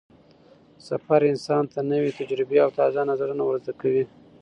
سفر انسان ته نوې تجربې او تازه نظرونه ور زده کوي